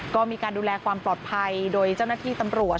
ก็มีการดูแลความปลอดภัยโดยเจ้าหน้าที่ตำรวจ